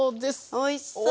おいしそう！